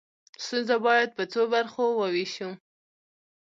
ستونزه باید په څو برخو وویشو.